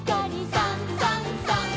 「さんさんさん」